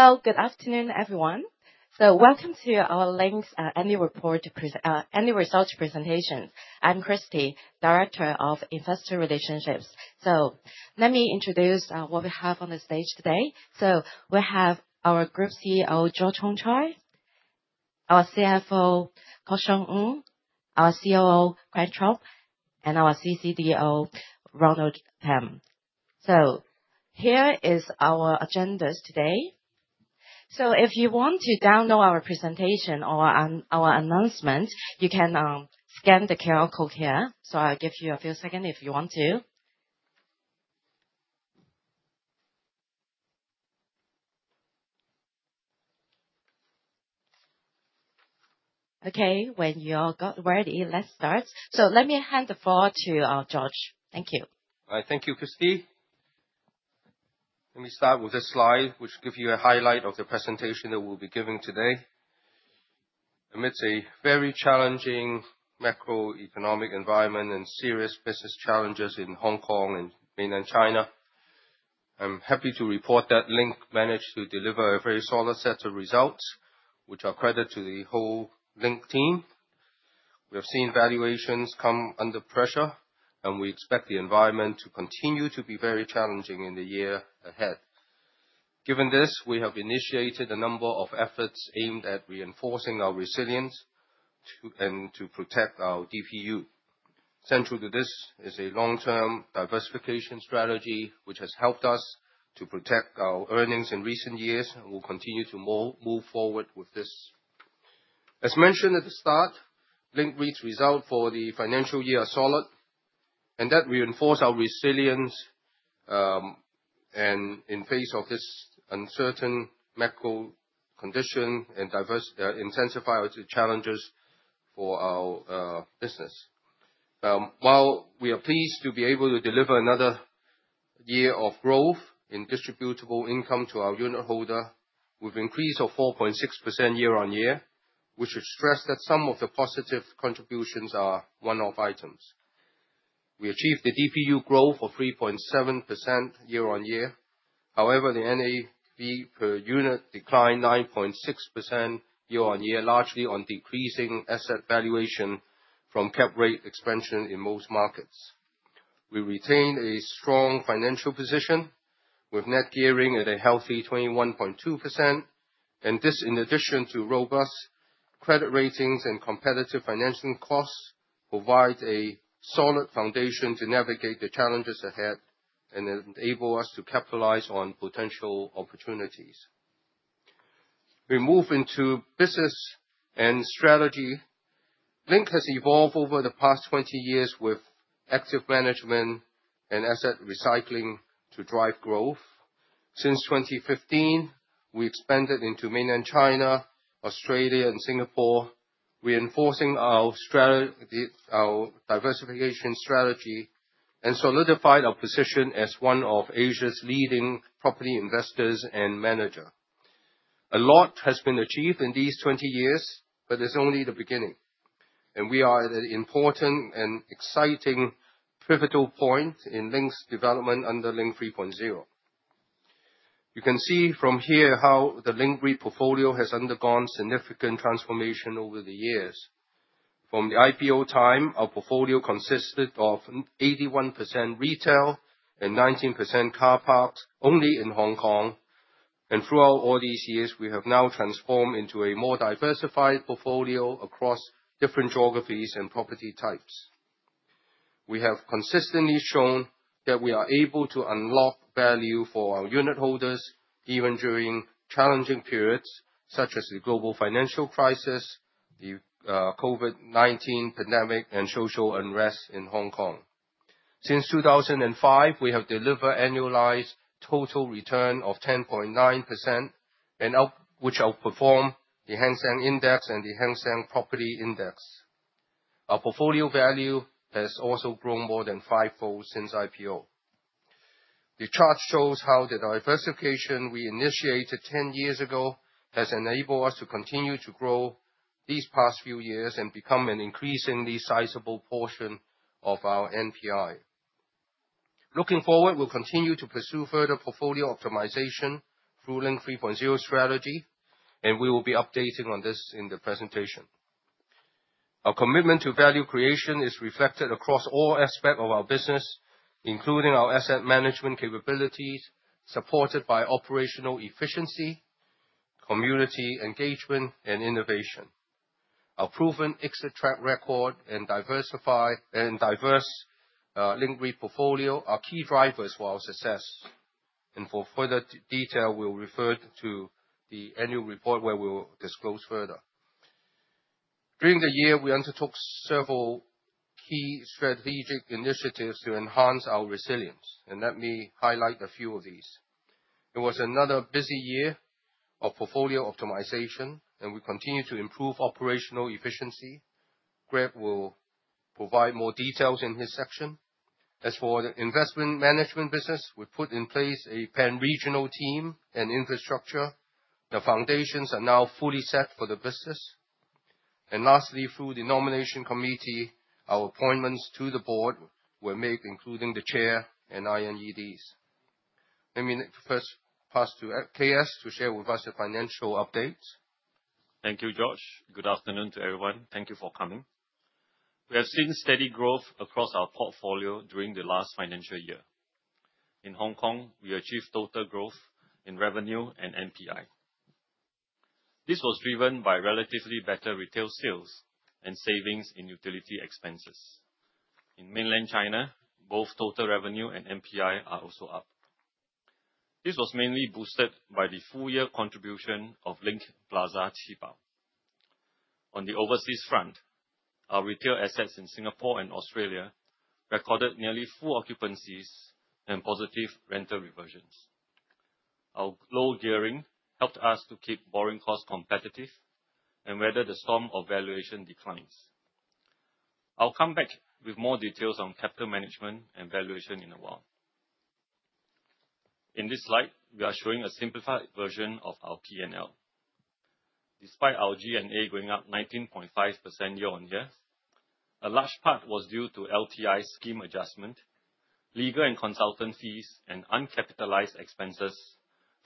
Hello, good afternoon, everyone. Welcome to our Link Annual Report, Annual Results Presentation. I'm Christy, Director of Investor Relations. Let me introduce what we have on the stage today. We have our Group CEO, George Hongchoy; our CFO, Kok Siong Ng; our COO, Greg Chubb; and our CCDO, Ronald Tham. Here are our agendas today. If you want to download our presentation or our announcement, you can scan the QR code here. I'll give you a few seconds if you want to. Okay, when you're ready, let's start. Let me hand the floor to George. Thank you. All right, thank you, Christy. Let me start with this slide, which gives you a highlight of the presentation that we'll be giving today. Amidst a very challenging macroeconomic environment and serious business challenges in Hong Kong and mainland China, I'm happy to report that Link managed to deliver a very solid set of results, which I credit to the whole Link team. We have seen valuations come under pressure, and we expect the environment to continue to be very challenging in the year ahead. Given this, we have initiated a number of efforts aimed at reinforcing our resilience and to protect our DPU. Central to this is a long-term diversification strategy, which has helped us to protect our earnings in recent years, and we'll continue to move forward with this. As mentioned at the start, Link REIT's results for the financial year are solid, and that reinforces our resilience in the face of this uncertain macro condition and intensifies the challenges for our business. While we are pleased to be able to deliver another year of growth in distributable income to our unitholder, with an increase of 4.6% year-on-year, we should stress that some of the positive contributions are one-off items. We achieved a DPU growth of 3.7% year-on-year. However, the NAV per unit declined 9.6% year-on-year, largely on decreasing asset valuation from cap rate expansion in most markets. We retain a strong financial position, with net gearing at a healthy 21.2%. This, in addition to robust credit ratings and competitive financing costs, provides a solid foundation to navigate the challenges ahead and enables us to capitalize on potential opportunities. We move into business and strategy. Link has evolved over the past 20 years with active management and asset recycling to drive growth. Since 2015, we expanded into mainland China, Australia, and Singapore, reinforcing our diversification strategy and solidifying our position as one of Asia's leading property investors and managers. A lot has been achieved in these 20 years, but it's only the beginning. We are at an important and exciting pivotal point in Link's development under Link 3.0. You can see from here how the Link REIT portfolio has undergone significant transformation over the years. From the IPO time, our portfolio consisted of 81% retail and 19% car parks, only in Hong Kong. Throughout all these years, we have now transformed into a more diversified portfolio across different geographies and property types. We have consistently shown that we are able to unlock value for our unit holders even during challenging periods such as the global financial crisis, the COVID-19 pandemic, and social unrest in Hong Kong. Since 2005, we have delivered annualized total returns of 10.9%, which outperform the Hang Seng Index and the Hang Seng Property Index. Our portfolio value has also grown more than fivefold since IPO. The chart shows how the diversification we initiated 10 years ago has enabled us to continue to grow these past few years and become an increasingly sizable portion of our NPI. Looking forward, we will continue to pursue further portfolio optimization through Link 3.0 strategy, and we will be updating on this in the presentation. Our commitment to value creation is reflected across all aspects of our business, including our asset management capabilities, supported by operational efficiency, community engagement, and innovation. Our proven exit track record and diversified Link REIT portfolio are key drivers for our success. For further detail, we'll refer to the annual report where we'll disclose further. During the year, we undertook several key strategic initiatives to enhance our resilience, and let me highlight a few of these. It was another busy year of portfolio optimization, and we continue to improve operational efficiency. Greg will provide more details in his section. As for the investment management business, we put in place a pan-regional team and infrastructure. The foundations are now fully set for the business. Lastly, through the nomination committee, our appointments to the board were made, including the chair and INEDs. Let me first pass to KS to share with us the financial updates. Thank you, George. Good afternoon to everyone. Thank you for coming. We have seen steady growth across our portfolio during the last financial year. In Hong Kong, we achieved total growth in revenue and NPI. This was driven by relatively better retail sales and savings in utility expenses. In mainland China, both total revenue and NPI are also up. This was mainly boosted by the full-year contribution of Link Plaza Qibao. On the overseas front, our retail assets in Singapore and Australia recorded nearly full occupancies and positive rental reversions. Our low gearing helped us to keep borrowing costs competitive and weather the storm of valuation declines. I'll come back with more details on capital management and valuation in a while. In this slide, we are showing a simplified version of our P&L. Despite our G&A going up 19.5% year-on-year, a large part was due to LTI scheme adjustment, legal and consultant fees, and uncapitalized expenses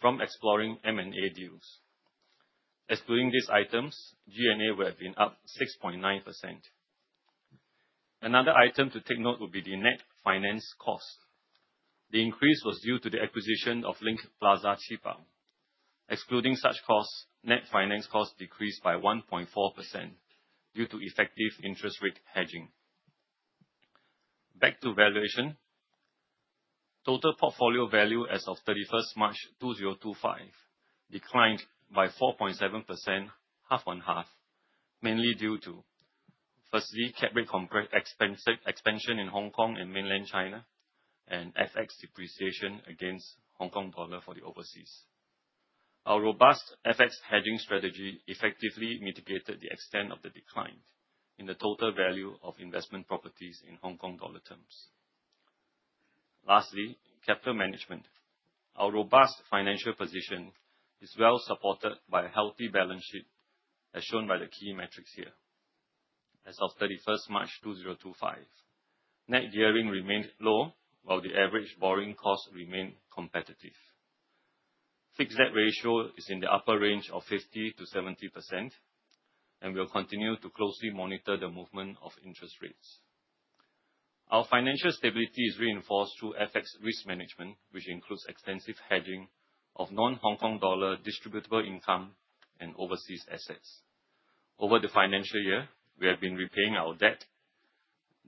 from exploring M&A deals. Excluding these items, G&A would have been up 6.9%. Another item to take note would be the net finance cost. The increase was due to the acquisition of Link Plaza Qibao. Excluding such costs, net finance costs decreased by 1.4% due to effective interest rate hedging. Back to valuation, total portfolio value as of 31st March 2025 declined by 4.7%, half and half, mainly due to, firstly, cap rate expansion in Hong Kong and mainland China, and FX depreciation against Hong Kong dollar for the overseas. Our robust FX hedging strategy effectively mitigated the extent of the decline in the total value of investment properties in Hong Kong dollar terms. Lastly, capital management. Our robust financial position is well supported by a healthy balance sheet, as shown by the key metrics here. As of 31st March 2025, net gearing remained low, while the average borrowing cost remained competitive. Fixed debt ratio is in the upper range of 50%-70%, and we'll continue to closely monitor the movement of interest rates. Our financial stability is reinforced through FX risk management, which includes extensive hedging of non-Hong Kong dollar distributable income and overseas assets. Over the financial year, we have been repaying our debt.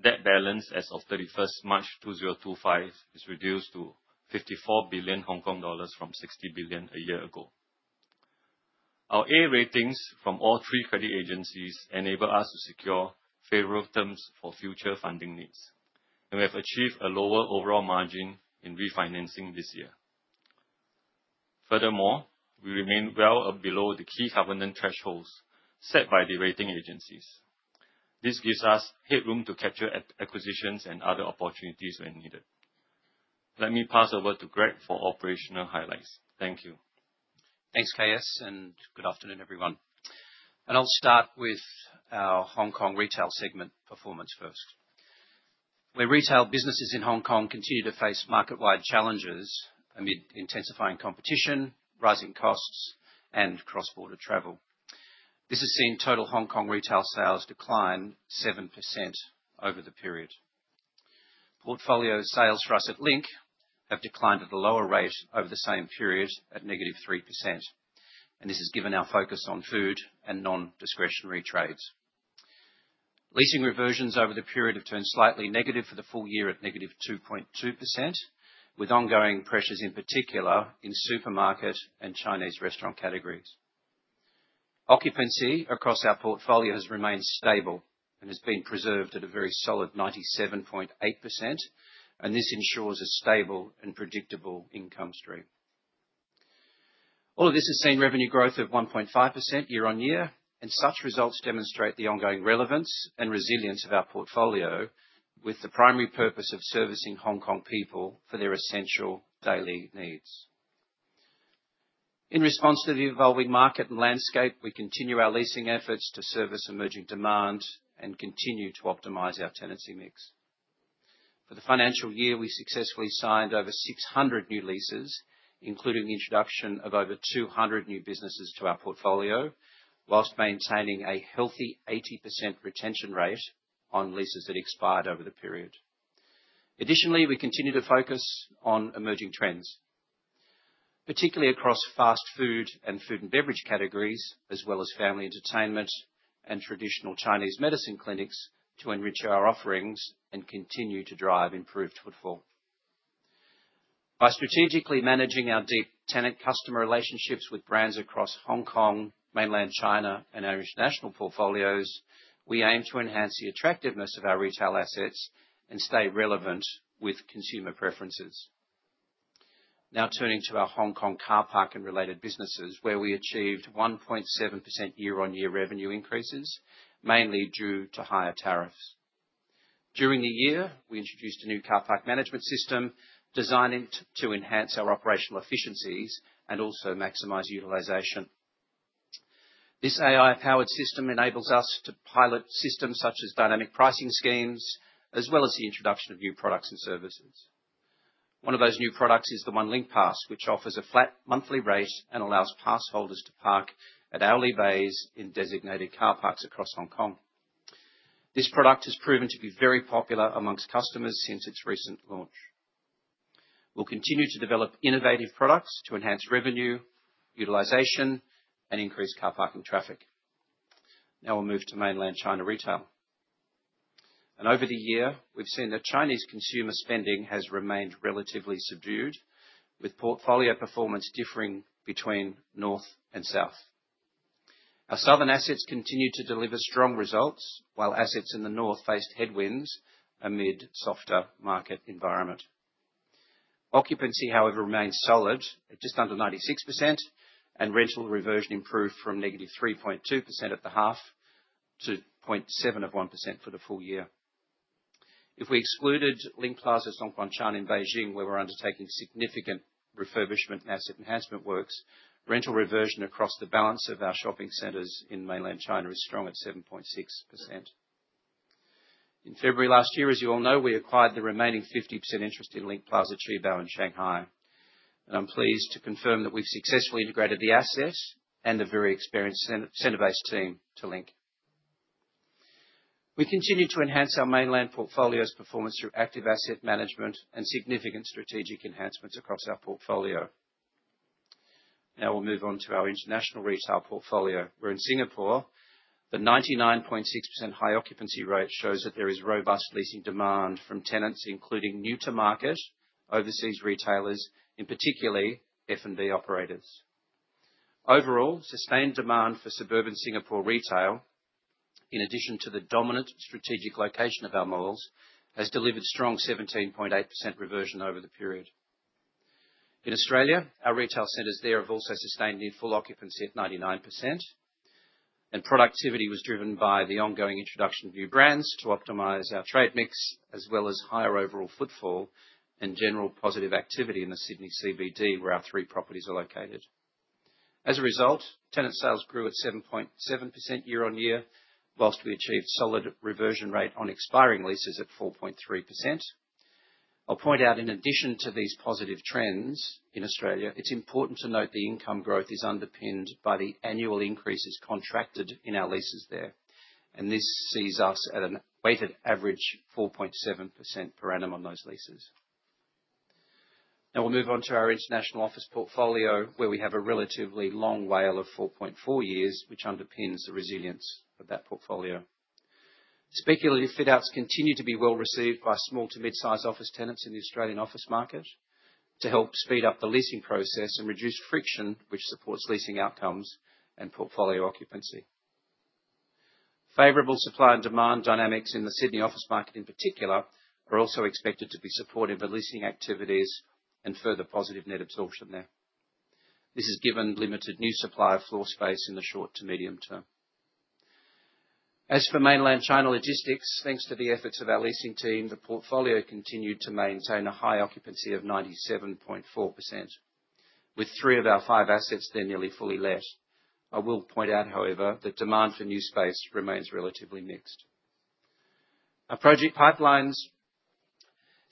Debt balance as of 31st March 2025 is reduced to 54 billion Hong Kong dollars from 60 billion a year ago. Our A ratings from all three credit agencies enable us to secure favorable terms for future funding needs, and we have achieved a lower overall margin in refinancing this year. Furthermore, we remain well below the key governance thresholds set by the rating agencies. This gives us headroom to capture acquisitions and other opportunities when needed. Let me pass over to Greg for operational highlights. Thank you. Thanks, KS, and good afternoon, everyone. I'll start with our Hong Kong retail segment performance first. Where retail businesses in Hong Kong continue to face market-wide challenges amid intensifying competition, rising costs, and cross-border travel, this has seen total Hong Kong retail sales decline 7% over the period. Portfolio sales for us at Link have declined at a lower rate over the same period at -3%, and this has given our focus on food and non-discretionary trades. Leasing reversions over the period have turned slightly negative for the full year at -2.2%, with ongoing pressures in particular in supermarket and Chinese restaurant categories. Occupancy across our portfolio has remained stable and has been preserved at a very solid 97.8%, and this ensures a stable and predictable income stream. All of this has seen revenue growth of 1.5% year-on-year, and such results demonstrate the ongoing relevance and resilience of our portfolio, with the primary purpose of servicing Hong Kong people for their essential daily needs. In response to the evolving market and landscape, we continue our leasing efforts to service emerging demand and continue to optimize our tenancy mix. For the financial year, we successfully signed over 600 new leases, including the introduction of over 200 new businesses to our portfolio, whilst maintaining a healthy 80% retention rate on leases that expired over the period. Additionally, we continue to focus on emerging trends, particularly across fast food and food and beverage categories, as well as family entertainment and traditional Chinese medicine clinics, to enrich our offerings and continue to drive improved footfall. By strategically managing our deep tenant-customer relationships with brands across Hong Kong, mainland China, and our international portfolios, we aim to enhance the attractiveness of our retail assets and stay relevant with consumer preferences. Now turning to our Hong Kong car park and related businesses, where we achieved 1.7% year-on-year revenue increases, mainly due to higher tariffs. During the year, we introduced a new car park management system designed to enhance our operational efficiencies and also maximize utilization. This AI-powered system enables us to pilot systems such as dynamic pricing schemes, as well as the introduction of new products and services. One of those new products is the one Link Pass, which offers a flat monthly rate and allows pass holders to park at hourly bays in designated car parks across Hong Kong. This product has proven to be very popular amongst customers since its recent launch. We'll continue to develop innovative products to enhance revenue, utilization, and increase car parking traffic. Now we'll move to mainland China retail. Over the year, we've seen that Chinese consumer spending has remained relatively subdued, with portfolio performance differing between north and south. Our southern assets continue to deliver strong results, while assets in the north faced headwinds amid a softer market environment. Occupancy, however, remains solid at just under 96%, and rental reversion improved from -3.2% at the half to 0.7% for the full year. If we excluded Link Plaza Songdo Zhongguancun in Beijing, where we're undertaking significant refurbishment and asset enhancement works, rental reversion across the balance of our shopping centres in mainland China is strong at 7.6%. In February last year, as you all know, we acquired the remaining 50% interest in Link Plaza Qibao in Shanghai, and I'm pleased to confirm that we've successfully integrated the assets and the very experienced center-based team to Link. We continue to enhance our mainland portfolio's performance through active asset management and significant strategic enhancements across our portfolio. Now we'll move on to our international retail portfolio. We're in Singapore. The 99.6% high occupancy rate shows that there is robust leasing demand from tenants, including new-to-market overseas retailers, in particular F&B operators. Overall, sustained demand for suburban Singapore retail, in addition to the dominant strategic location of our malls, has delivered strong 17.8% reversion over the period. In Australia, our retail centers there have also sustained near full occupancy at 99%, and productivity was driven by the ongoing introduction of new brands to optimize our trade mix, as well as higher overall footfall and general positive activity in the Sydney CBD, where our three properties are located. As a result, tenant sales grew at 7.7% year-on-year, whilst we achieved solid reversion rate on expiring leases at 4.3%. I'll point out, in addition to these positive trends in Australia, it's important to note the income growth is underpinned by the annual increases contracted in our leases there, and this sees us at a weighted average of 4.7% per annum on those leases. Now we'll move on to our international office portfolio, where we have a relatively long whale of 4.4 years, which underpins the resilience of that portfolio. Speculative fit-outs continue to be well received by small to mid-size office tenants in the Australian office market to help speed up the leasing process and reduce friction, which supports leasing outcomes and portfolio occupancy. Favorable supply and demand dynamics in the Sydney office market in particular are also expected to be supportive of leasing activities and further positive net absorption there. This is given limited new supply of floor space in the short to medium term. As for mainland China logistics, thanks to the efforts of our leasing team, the portfolio continued to maintain a high occupancy of 97.4%, with three of our five assets there nearly fully let. I will point out, however, that demand for new space remains relatively mixed. Our project pipelines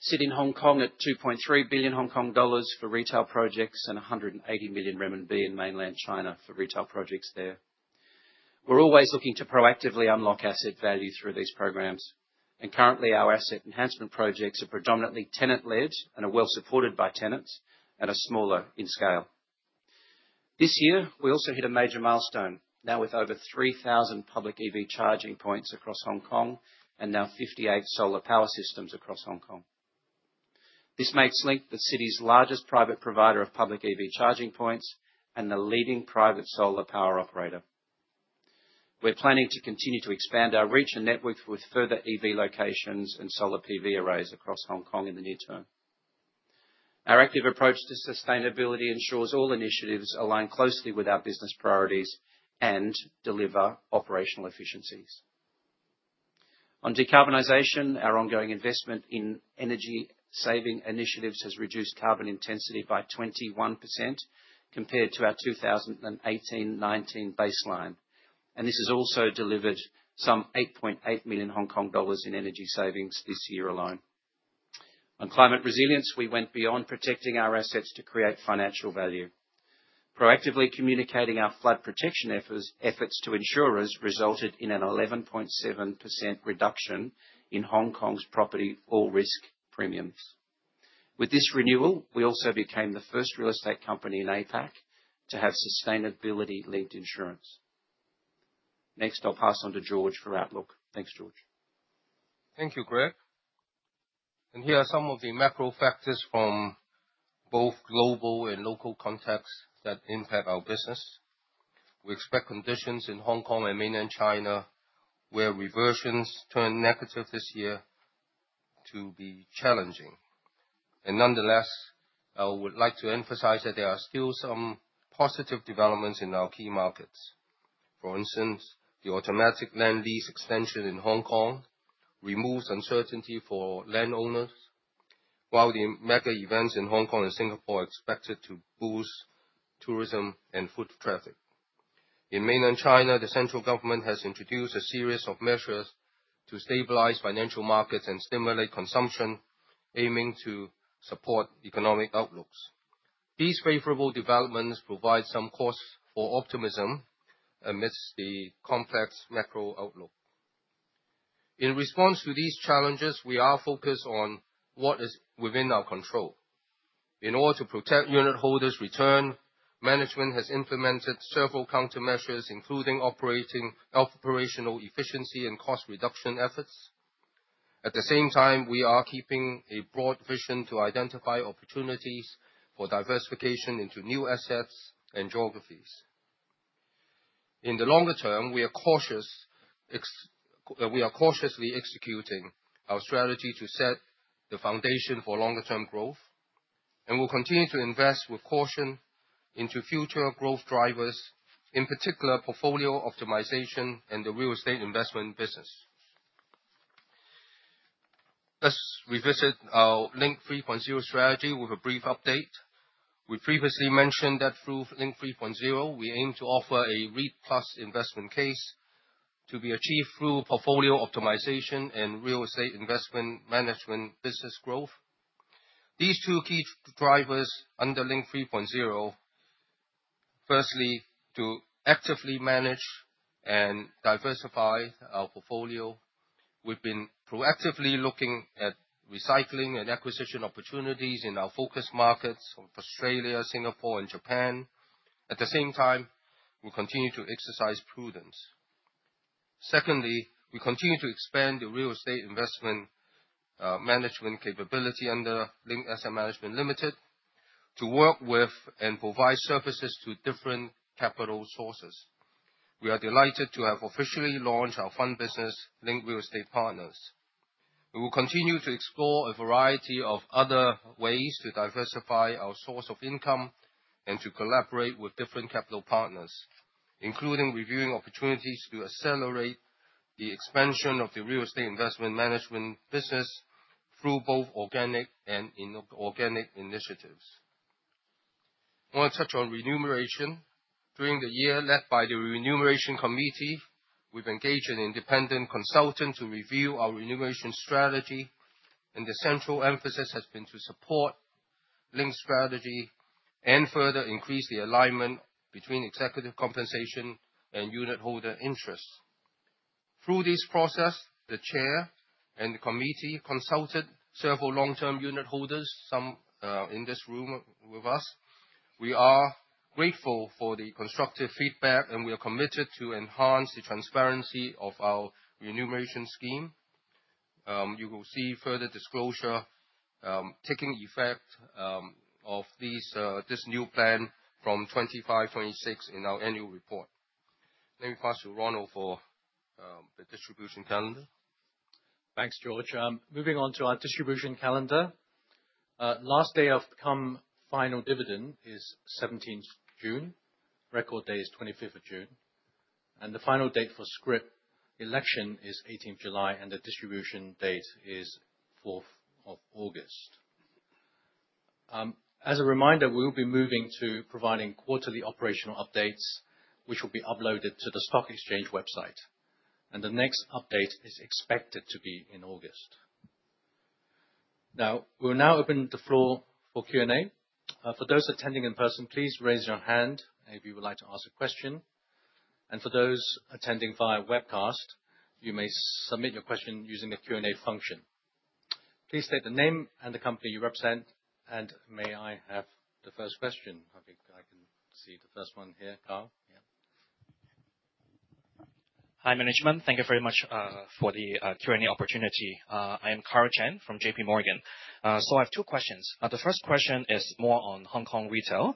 sit in Hong Kong at 2.3 billion Hong Kong dollars for retail projects and HKD 180 million in mainland China for retail projects there. We're always looking to proactively unlock asset value through these programs, and currently, our asset enhancement projects are predominantly tenant-led and are well supported by tenants and are smaller in scale. This year, we also hit a major milestone, now with over 3,000 public EV charging points across Hong Kong and now 58 solar power systems across Hong Kong. This makes Link the city's largest private provider of public EV charging points and the leading private solar power operator. We're planning to continue to expand our reach and network with further EV locations and solar PV arrays across Hong Kong in the near term. Our active approach to sustainability ensures all initiatives align closely with our business priorities and deliver operational efficiencies. On decarbonization, our ongoing investment in energy-saving initiatives has reduced carbon intensity by 21% compared to our 2018-2019 baseline, and this has also delivered some 8.8 million Hong Kong dollars in energy savings this year alone. On climate resilience, we went beyond protecting our assets to create financial value. Proactively communicating our flood protection efforts to insurers resulted in an 11.7% reduction in Hong Kong's property all-risk premiums. With this renewal, we also became the first real estate company in APAC to have sustainability-linked insurance. Next, I'll pass on to George for outlook. Thanks, George. Thank you, Greg. Here are some of the macro factors from both global and local contexts that impact our business. We expect conditions in Hong Kong and mainland China where reversions turn negative this year to be challenging. Nonetheless, I would like to emphasize that there are still some positive developments in our key markets. For instance, the automatic land lease extension in Hong Kong removes uncertainty for landowners, while the mega events in Hong Kong and Singapore are expected to boost tourism and foot traffic. In mainland China, the central government has introduced a series of measures to stabilize financial markets and stimulate consumption, aiming to support economic outlooks. These favorable developments provide some cause for optimism amidst the complex macro outlook. In response to these challenges, we are focused on what is within our control. In order to protect unit holders' return, management has implemented several countermeasures, including operational efficiency and cost reduction efforts. At the same time, we are keeping a broad vision to identify opportunities for diversification into new assets and geographies. In the longer term, we are cautiously executing our strategy to set the foundation for longer-term growth, and we'll continue to invest with caution into future growth drivers, in particular portfolio optimization and the real estate investment business. Let's revisit our Link 3.0 strategy with a brief update. We previously mentioned that through Link 3.0, we aim to offer a REIT-plus investment case to be achieved through portfolio optimization and real estate investment management business growth. These two key drivers under Link 3.0, firstly, to actively manage and diversify our portfolio. We've been proactively looking at recycling and acquisition opportunities in our focus markets of Australia, Singapore, and Japan. At the same time, we continue to exercise prudence. Secondly, we continue to expand the real estate investment management capability under Link Asset Management Limited to work with and provide services to different capital sources. We are delighted to have officially launched our fund business, Link Real Estate Partners. We will continue to explore a variety of other ways to diversify our source of income and to collaborate with different capital partners, including reviewing opportunities to accelerate the expansion of the real estate investment management business through both organic and inorganic initiatives. I want to touch on remuneration. During the year led by the Remuneration Committee, we've engaged an independent consultant to review our remuneration strategy, and the central emphasis has been to support Link's strategy and further increase the alignment between executive compensation and unit holder interests. Through this process, the Chair and the committee consulted several long-term unit holders, some in this room with us. We are grateful for the constructive feedback, and we are committed to enhancing the transparency of our remuneration scheme. You will see further disclosure taking effect of this new plan from 2025-2026 in our annual report. Let me pass to Ronald for the distribution calendar. Thanks, George. Moving on to our distribution calendar. Last day of cum final dividend is 17th June. Record day is 25th of June. The final date for Scrip Election is 18th July, and the distribution date is 4th of August. As a reminder, we will be moving to providing quarterly operational updates, which will be uploaded to the stock exchange website. The next update is expected to be in August. Now, we'll open the floor for Q&A. For those attending in person, please raise your hand if you would like to ask a question. For those attending via webcast, you may submit your question using the Q&A function. Please state the name and the company you represent, and may I have the first question? I think I can see the first one here, Carl. Yeah. Hi, management. Thank you very much for the Q&A opportunity. I am Karl Chan from JPMorgan. I have two questions. The first question is more on Hong Kong retail.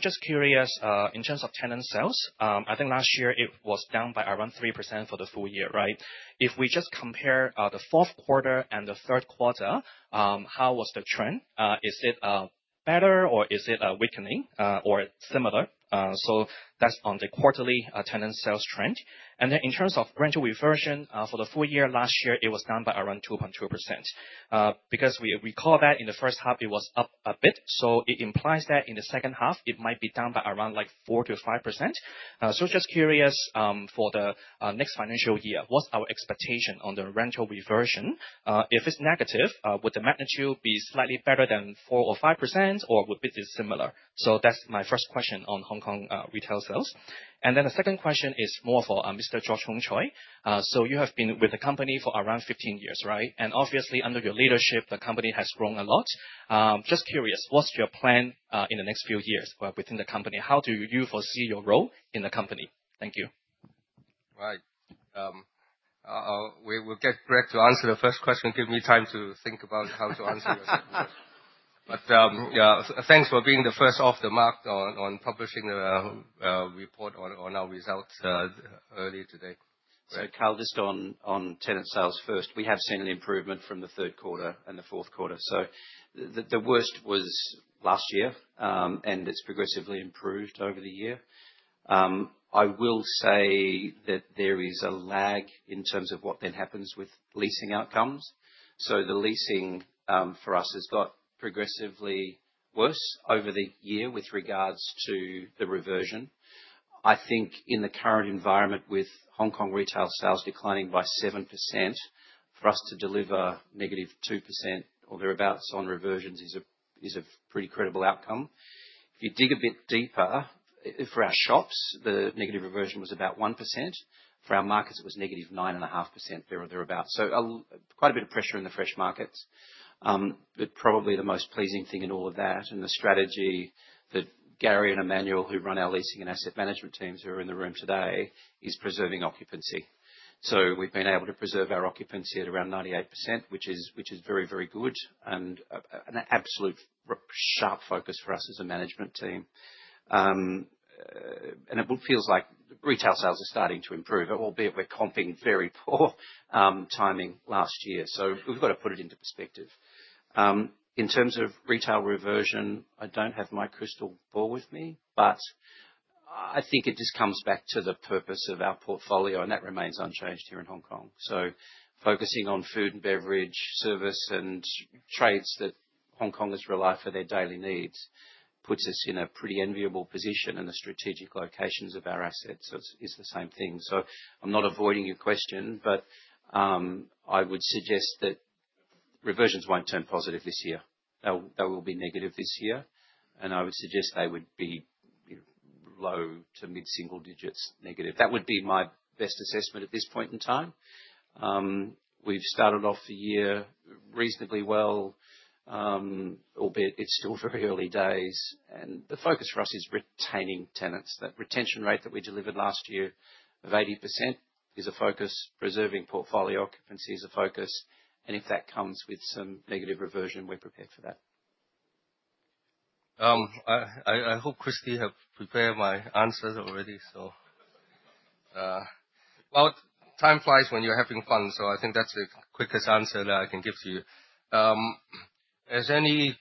Just curious, in terms of tenant sales, I think last year it was down by around 3% for the full year, right? If we just compare the fourth quarter and the third quarter, how was the trend? Is it better, or is it a weakening, or similar? That is on the quarterly tenant sales trend. In terms of rental reversion for the full year, last year it was down by around 2.2%. Because we recall that in the first half, it was up a bit, it implies that in the second half, it might be down by around 4%-5%. Just curious, for the next financial year, what's our expectation on the rental reversion? If it's negative, would the magnitude be slightly better than 4% or 5%, or would it be similar? That's my first question on Hong Kong retail sales. The second question is more for Mr. George Hongchoy. You have been with the company for around 15 years, right? Obviously, under your leadership, the company has grown a lot. Just curious, what's your plan in the next few years within the company? How do you foresee your role in the company? Thank you. Right. We'll get Greg to answer the first question. Give me time to think about how to answer your second question. Yeah, thanks for being the first off the mark on publishing the report on our results early today. Karl, just on tenant sales first. We have seen an improvement from the third quarter and the fourth quarter. The worst was last year, and it has progressively improved over the year. I will say that there is a lag in terms of what then happens with leasing outcomes. The leasing for us has got progressively worse over the year with regards to the reversion. I think in the current environment with Hong Kong retail sales declining by 7%, for us to deliver negative 2% or thereabouts on reversions is a pretty credible outcome. If you dig a bit deeper, for our shops, the negative reversion was about 1%. For our markets, it was negative 9.5%, thereabouts. Quite a bit of pressure in the fresh markets. Probably the most pleasing thing in all of that, and the strategy that Gary and Emmanuel, who run our leasing and asset management teams who are in the room today, is preserving occupancy. We have been able to preserve our occupancy at around 98%, which is very, very good and an absolute sharp focus for us as a management team. It feels like retail sales are starting to improve, albeit we are comping very poor timing last year. We have to put it into perspective. In terms of retail reversion, I do not have my crystal ball with me, but I think it just comes back to the purpose of our portfolio, and that remains unchanged here in Hong Kong. Focusing on food and beverage service and trades that Hong Kongs rely on for their daily needs puts us in a pretty enviable position in the strategic locations of our assets. It is the same thing. I am not avoiding your question, but I would suggest that reversions will not turn positive this year. They will be negative this year. I would suggest they would be low to mid-single digits negative. That would be my best assessment at this point in time. We have started off the year reasonably well, albeit it is still very early days. The focus for us is retaining tenants. That retention rate that we delivered last year of 80% is a focus. Preserving portfolio occupancy is a focus. If that comes with some negative reversion, we are prepared for that. I hope Christy has prepared my answers already, so. Time flies when you're having fun. I think that's the quickest answer that I can give to you.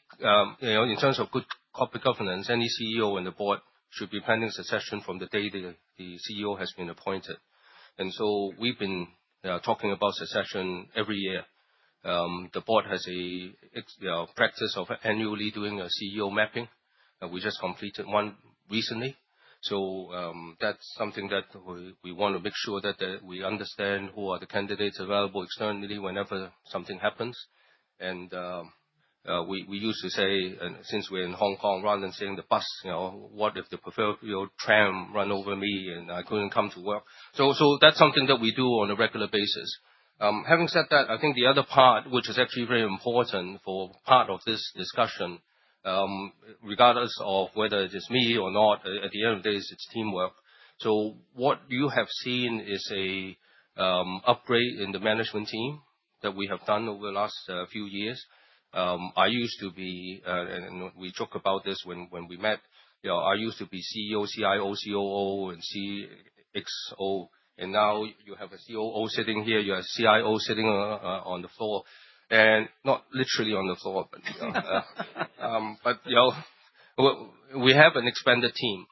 In terms of good corporate governance, any CEO on the board should be planning succession from the day the CEO has been appointed. We have been talking about succession every year. The board has a practice of annually doing a CEO mapping. We just completed one recently. That is something that we want to make sure that we understand who are the candidates available externally whenever something happens. We used to say, since we're in Hong Kong, rather than sitting on the bus, what if the preferred tram runs over me and I could not come to work? That is something that we do on a regular basis. Having said that, I think the other part, which is actually very important for part of this discussion, regardless of whether it is me or not, at the end of the day, it's teamwork. What you have seen is an upgrade in the management team that we have done over the last few years. I used to be, and we talked about this when we met, I used to be CEO, CIO, COO, and CXO. Now you have a COO sitting here, you have a CIO sitting on the floor. Not literally on the floor, but we have an expanded team.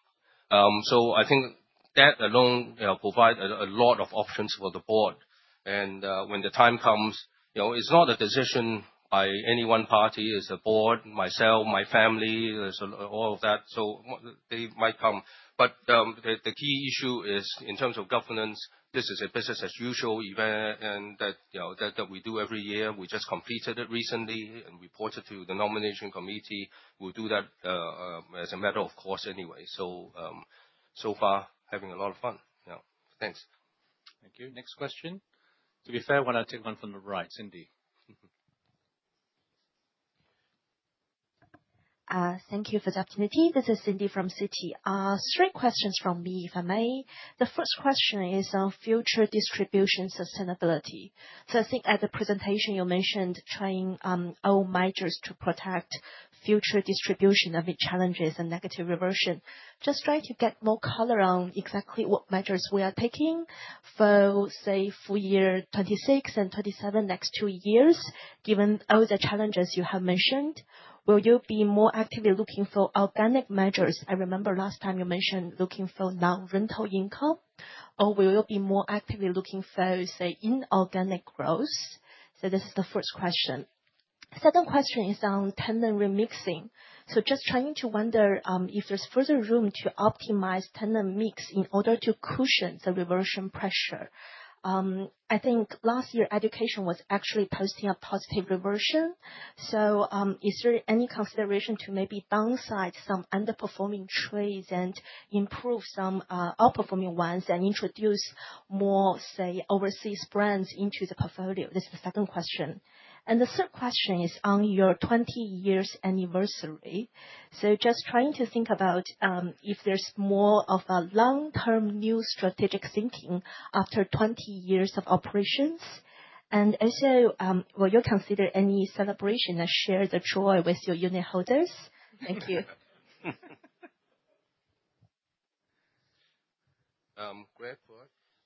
I think that alone provides a lot of options for the board. When the time comes, it's not a decision by any one party. It's a board, myself, my family, all of that. They might come. The key issue is in terms of governance, this is a business-as-usual event that we do every year. We just completed it recently and reported to the nomination committee. We will do that as a matter of course anyway. So far, having a lot of fun. Thanks. Thank you. Next question. To be fair, I want to take one from the right, Cindy. Thank you for the opportunity. This is Cindy from Citi. Three questions from me, if I may. The first question is on future distribution sustainability. I think at the presentation, you mentioned trying all measures to protect future distribution of challenges and negative reversion. Just trying to get more color on exactly what measures we are taking for, say, full year 2026 and 2027 next two years, given all the challenges you have mentioned. Will you be more actively looking for organic measures? I remember last time you mentioned looking for non-rental income. Or will you be more actively looking for, say, inorganic growth? This is the first question. Second question is on tenant remixing. Just trying to wonder if there is further room to optimize tenant mix in order to cushion the reversion pressure. I think last year, education was actually posting a positive reversion. Is there any consideration to maybe downsize some underperforming trades and improve some outperforming ones and introduce more, say, overseas brands into the portfolio? This is the second question. The third question is on your 20 years anniversary. Just trying to think about if there's more of a long-term new strategic thinking after 20 years of operations. Also, will you consider any celebration that shares the joy with your unit holders? Thank you. Greg, for?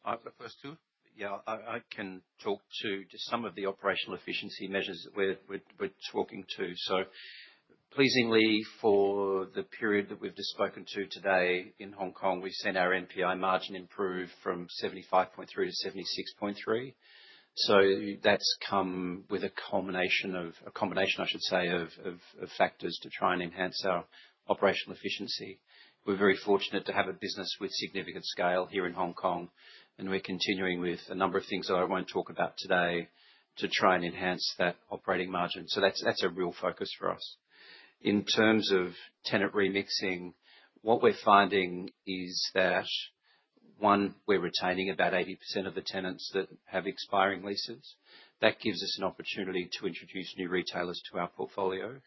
I've got the first two. Yeah, I can talk to just some of the operational efficiency measures that we're talking to. Pleasingly, for the period that we've just spoken to today in Hong Kong, we've seen our NPI margin improve from 75.3% to 76.3%. That has come with a combination, I should say, of factors to try and enhance our operational efficiency. We're very fortunate to have a business with significant scale here in Hong Kong. We're continuing with a number of things that I won't talk about today to try and enhance that operating margin. That is a real focus for us. In terms of tenant remixing, what we're finding is that, one, we're retaining about 80% of the tenants that have expiring leases. That gives us an opportunity to introduce new retailers to our portfolio.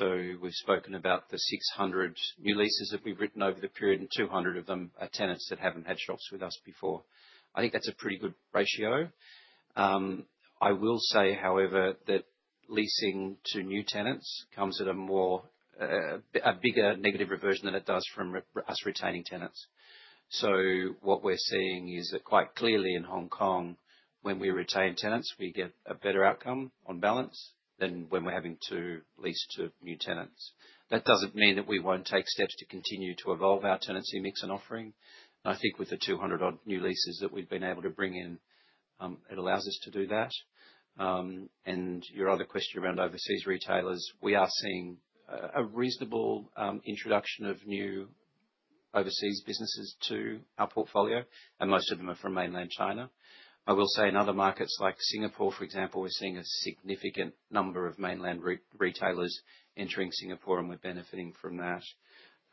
We have spoken about the 600 new leases that we have written over the period, and 200 of them are tenants that have not had shops with us before. I think that is a pretty good ratio. I will say, however, that leasing to new tenants comes at a bigger negative reversion than it does from us retaining tenants. What we are seeing is that quite clearly in Hong Kong, when we retain tenants, we get a better outcome on balance than when we are having to lease to new tenants. That does not mean that we will not take steps to continue to evolve our tenancy mix and offering. I think with the 200-odd new leases that we have been able to bring in, it allows us to do that. Your other question around overseas retailers, we are seeing a reasonable introduction of new overseas businesses to our portfolio. Most of them are from mainland China. I will say in other markets like Singapore, for example, we're seeing a significant number of mainland retailers entering Singapore, and we're benefiting from that.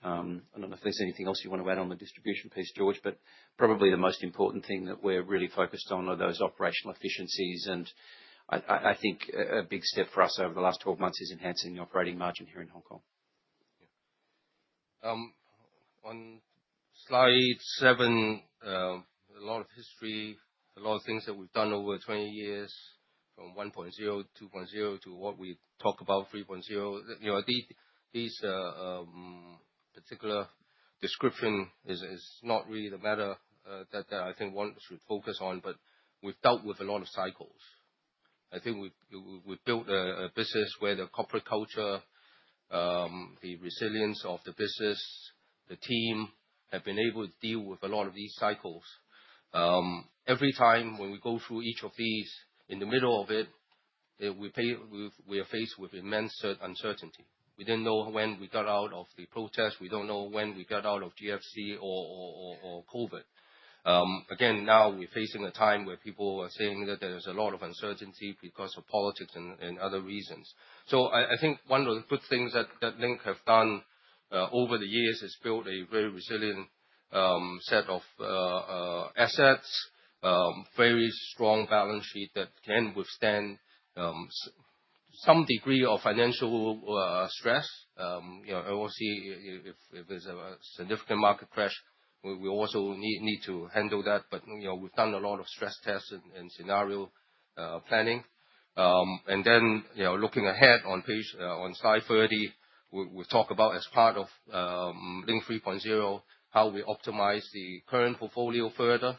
I do not know if there is anything else you want to add on the distribution piece, George, but probably the most important thing that we're really focused on are those operational efficiencies. I think a big step for us over the last 12 months is enhancing the operating margin here in Hong Kong. On slide seven, a lot of history, a lot of things that we've done over 20 years, from 1.0 to 2.0 to what we talk about 3.0. This particular description is not really the matter that I think one should focus on, but we've dealt with a lot of cycles. I think we've built a business where the corporate culture, the resilience of the business, the team have been able to deal with a lot of these cycles. Every time when we go through each of these, in the middle of it, we are faced with immense uncertainty. We didn't know when we got out of the protests. We don't know when we got out of GFC or COVID. Again, now we're facing a time where people are saying that there's a lot of uncertainty because of politics and other reasons. I think one of the good things that Link have done over the years is built a very resilient set of assets, very strong balance sheet that can withstand some degree of financial stress. Obviously, if there's a significant market crash, we also need to handle that. We have done a lot of stress tests and scenario planning. Looking ahead on slide 30, we talk about as part of Link 3.0 how we optimize the current portfolio further.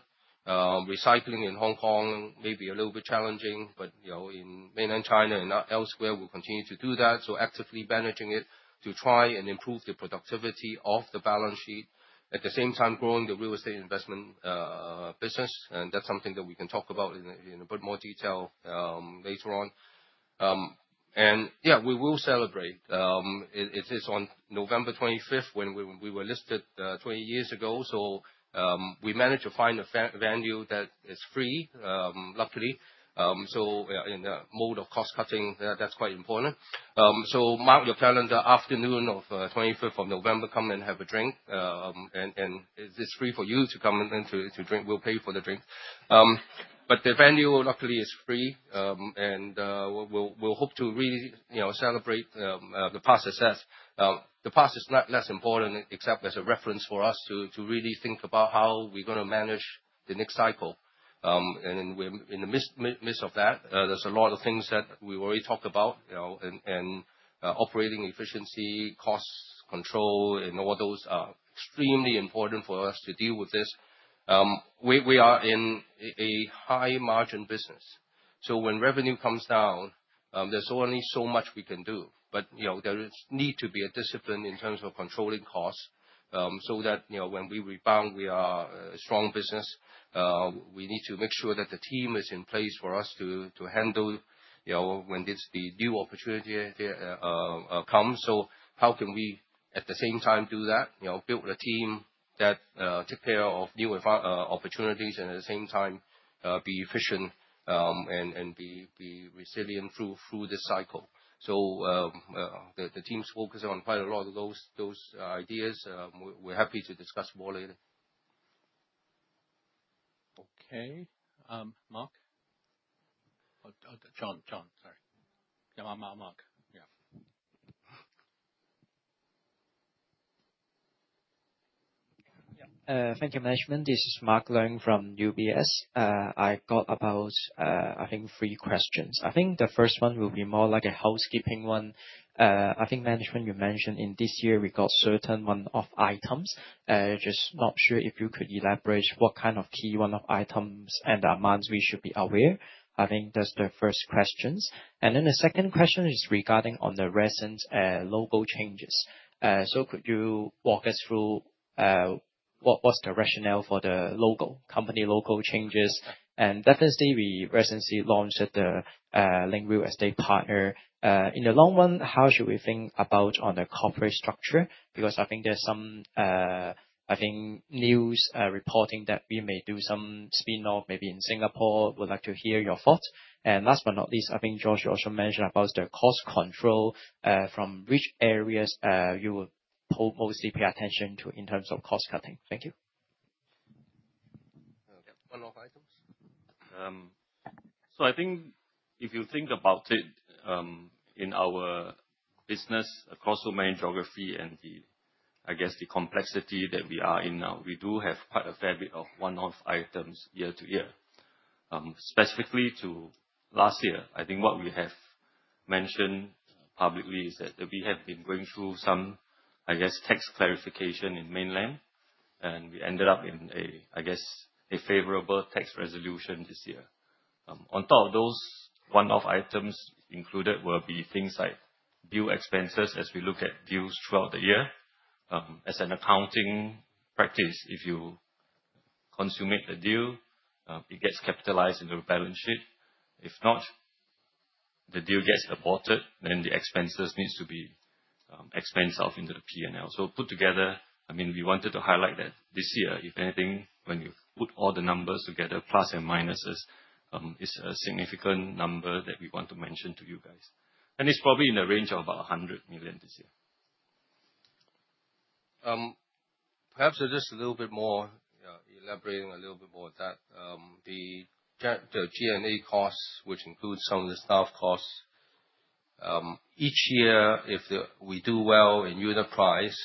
Recycling in Hong Kong may be a little bit challenging, but in mainland China and elsewhere, we will continue to do that. Actively managing it to try and improve the productivity of the balance sheet. At the same time, growing the real estate investment business. That is something that we can talk about in a bit more detail later on. Yeah, we will celebrate. It is on November 25th when we were listed 20 years ago. We managed to find a venue that is free, luckily. In the mode of cost-cutting, that is quite important. Mark your calendar, afternoon of 25th of November, come and have a drink. It is free for you to come and drink. We will pay for the drink. The venue, luckily, is free. We hope to really celebrate the past success. The past is not less important, except as a reference for us to really think about how we are going to manage the next cycle. In the midst of that, there is a lot of things that we have already talked about. Operating efficiency, cost control, and all those are extremely important for us to deal with this. We are in a high-margin business. When revenue comes down, there is only so much we can do. There needs to be a discipline in terms of controlling costs so that when we rebound, we are a strong business. We need to make sure that the team is in place for us to handle when this new opportunity comes. How can we, at the same time, do that? Build a team that takes care of new opportunities and at the same time be efficient and be resilient through this cycle. The team's focus on quite a lot of those ideas. We're happy to discuss more later. Okay. Mark? John, sorry. Yeah, Mark, yeah. Thank you, Management. This is Mark Leung from UBS. I got about, I think, three questions. I think the first one will be more like a housekeeping one. I think, Management, you mentioned in this year we got certain one-off items. Just not sure if you could elaborate what kind of key one-off items and amounts we should be aware. I think that's the first questions. The second question is regarding on the recent logo changes. Could you walk us through what was the rationale for the company logo changes? Definitely, we recently launched the Link Real Estate Partner. In the long run, how should we think about on the corporate structure? Because I think there's some, I think, news reporting that we may do some spin-off maybe in Singapore. Would like to hear your thoughts. Last but not least, I think George also mentioned about the cost control. From which areas will you mostly pay attention to in terms of cost cutting? Thank you. One-off items? I think if you think about it in our business across domain geography and the, I guess, the complexity that we are in now, we do have quite a fair bit of one-off items year to year. Specifically to last year, I think what we have mentioned publicly is that we have been going through some, I guess, tax clarification in mainland. We ended up in, I guess, a favorable tax resolution this year. On top of those, one-off items included will be things like deal expenses as we look at deals throughout the year. As an accounting practice, if you consummate the deal, it gets capitalized in the balance sheet. If not, the deal gets aborted, then the expenses need to be expensed out into the P&L. Put together, I mean, we wanted to highlight that this year, if anything, when you put all the numbers together, plus and minuses, it is a significant number that we want to mention to you guys. It is probably in the range of about 100 million this year. Perhaps just a little bit more, elaborating a little bit more of that. The G&A costs, which includes some of the staff costs, each year, if we do well in unit price,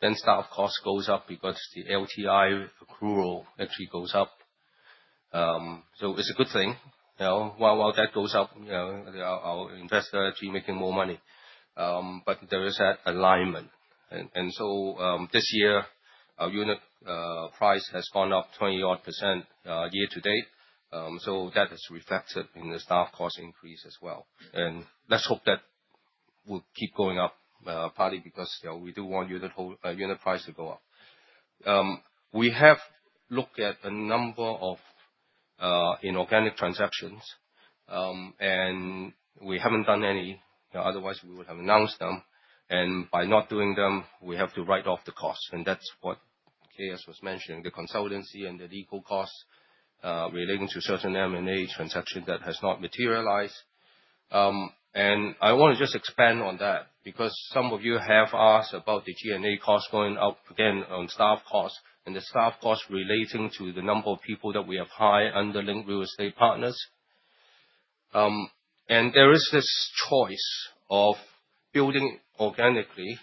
then staff cost goes up because the LTI accrual actually goes up. It is a good thing. While that goes up, our investor is actually making more money. There is that alignment. This year, our unit price has gone up 20-odd % year to date. That has reflected in the staff cost increase as well. Let's hope that will keep going up, partly because we do want unit price to go up. We have looked at a number of inorganic transactions. We have not done any. Otherwise, we would have announced them. By not doing them, we have to write off the costs. That is what KS was mentioning, the consultancy and the legal costs relating to certain M&A transactions that have not materialized. I want to just expand on that because some of you have asked about the G&A cost going up again on staff costs and the staff costs relating to the number of people that we have hired under Link Real Estate Partners. There is this choice of building organically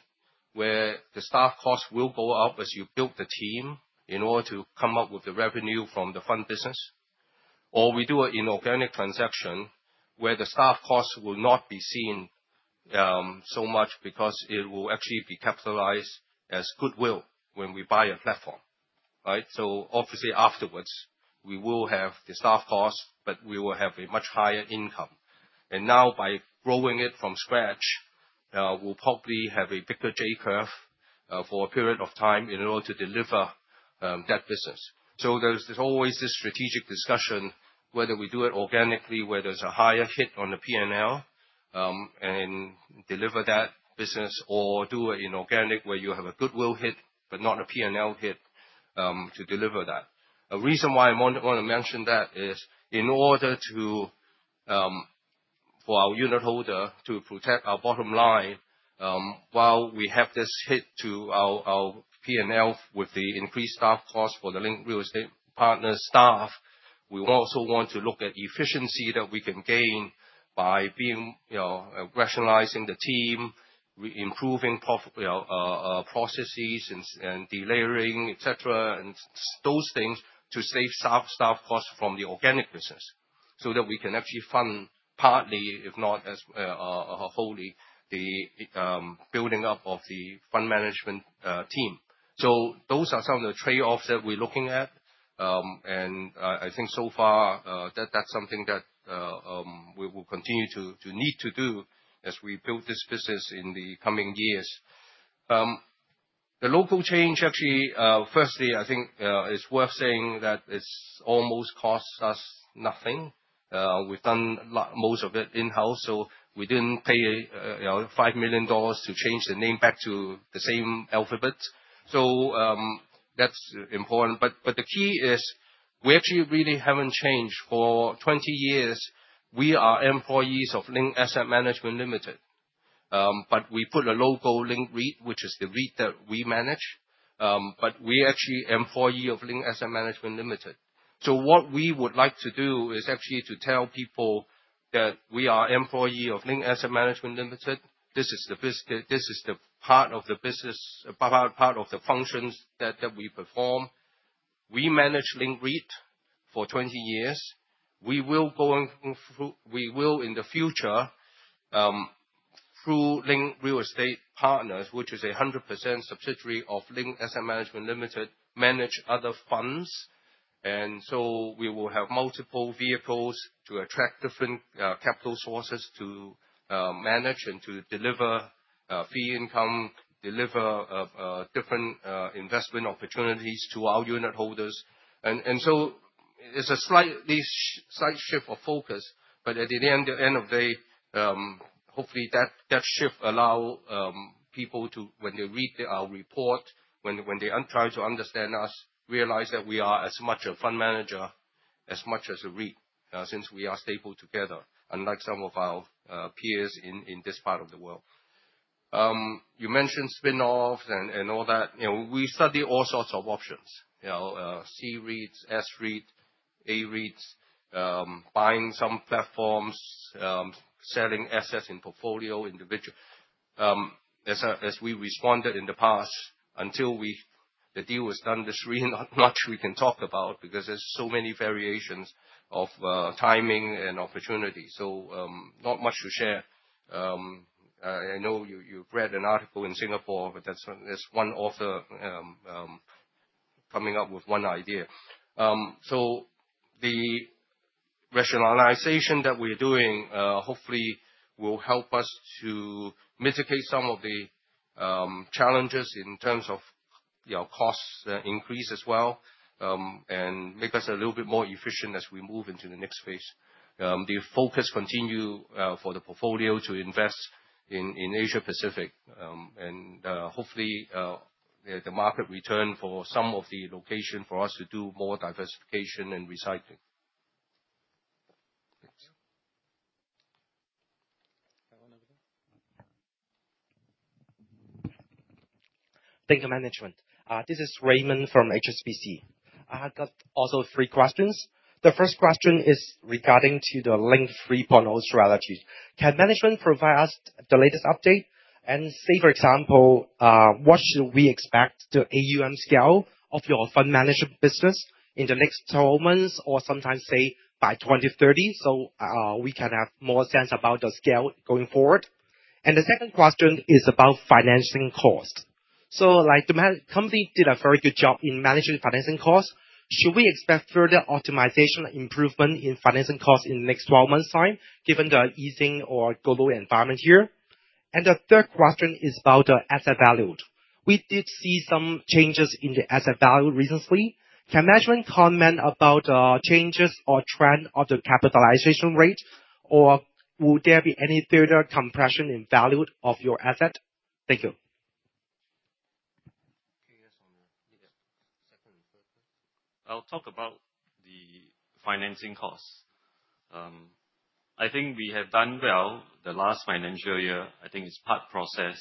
where the staff cost will go up as you build the team in order to come up with the revenue from the fund business. We do an inorganic transaction where the staff cost will not be seen so much because it will actually be capitalized as goodwill when we buy a platform. Right? Obviously, afterwards, we will have the staff cost, but we will have a much higher income. Now, by growing it from scratch, we'll probably have a bigger J-curve for a period of time in order to deliver that business. There is always this strategic discussion whether we do it organically, where there is a higher hit on the P&L and deliver that business, or do it inorganic where you have a goodwill hit but not a P&L hit to deliver that. A reason why I want to mention that is in order for our unit holder to protect our bottom line, while we have this hit to our P&L with the increased staff cost for the Link Real Estate Partners staff, we also want to look at efficiency that we can gain by rationalizing the team, improving processes and delayering, etc., and those things to save staff costs from the organic business so that we can actually fund partly, if not wholly, the building up of the fund management team. Those are some of the trade-offs that we're looking at. I think so far, that's something that we will continue to need to do as we build this business in the coming years. The local change actually, firstly, I think it's worth saying that it's almost cost us nothing. We've done most of it in-house. We did not pay $5 million to change the name back to the same alphabet. That is important. The key is we actually really have not changed. For 20 years, we are employees of Link Asset Management Limited. We put a logo, Link REIT, which is the REIT that we manage. We are actually employees of Link Asset Management Limited. What we would like to do is to tell people that we are employees of Link Asset Management Limited. This is the part of the business, part of the functions that we perform. We manage Link REIT for 20 years. We will go in the future through Link Real Estate Partners, which is a 100% subsidiary of Link Asset Management Limited, to manage other funds. We will have multiple vehicles to attract different capital sources to manage and to deliver fee income, deliver different investment opportunities to our unit holders. It is a slight shift of focus. At the end of the day, hopefully, that shift allows people to, when they read our report, when they try to understand us, realize that we are as much a fund manager as much as a REIT since we are stable together, unlike some of our peers in this part of the world. You mentioned spin-offs and all that. We study all sorts of options: C-REITs, S-REITs, A-REITs, buying some platforms, selling assets in portfolio, individual. As we responded in the past, until the deal was done, there is really not much we can talk about because there are so many variations of timing and opportunity. Not much to share. I know you've read an article in Singapore, but there's one author coming up with one idea. The rationalization that we're doing hopefully will help us to mitigate some of the challenges in terms of cost increase as well and make us a little bit more efficient as we move into the next phase. The focus continues for the portfolio to invest in Asia Pacific. Hopefully, the market return for some of the location for us to do more diversification and recycling. Thanks. Thank you, Management. This is Raymond from HSBC. I got also three questions. The first question is regarding to the Link 3.0 strategy. Can Management provide us the latest update? For example, what should we expect the AUM scale of your fund management business in the next 12 months or sometimes say by 2030 so we can have more sense about the scale going forward? The second question is about financing cost. The company did a very good job in managing financing costs. Should we expect further optimization improvement in financing costs in the next 12 months' time given the easing or global environment here? The third question is about the asset value. We did see some changes in the asset value recently. Can Management comment about the changes or trend of the cap rate, or will there be any further compression in value of your asset? Thank you. I'll talk about the financing costs. I think we have done well the last financial year. I think it's part process,